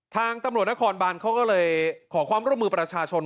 ทางตำรวจนครบานเขาก็เลยขอความร่วมมือประชาชน